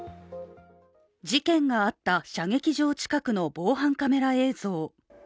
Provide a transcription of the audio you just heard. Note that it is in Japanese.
事件があった射撃場近くの防犯カメラ映像。